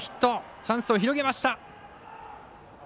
チャンスを広げました。